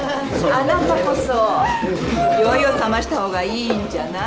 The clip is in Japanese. あなたこそ酔いを覚ましたほうがいいんじゃない？